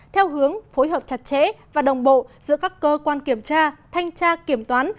theo hướng phối hợp chặt chẽ và đồng bộ giữa các cơ quan kiểm tra thanh tra kiểm toán